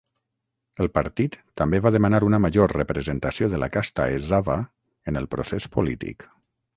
El partit també va demanar una major representació de la casta Ezhava en el procés polític.